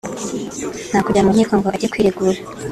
nta kujya mu nkiko ngo ajye kwiregura